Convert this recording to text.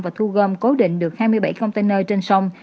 và thu gom cố định được hai mươi bảy container trên sông